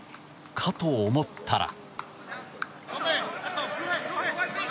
かと思ったら。